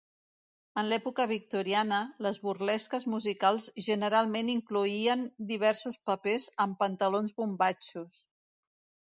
En l'època victoriana, les burlesques musicals generalment incloïen diversos papers amb pantalons bombatxos.